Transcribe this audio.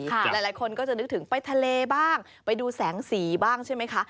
หลายคนก็จะนึกถึงไปทะเลบ้างไปดูแสงสีบ้างใช่ไหมคะ